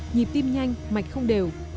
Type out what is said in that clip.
nhịp tim nhanh mạch không đều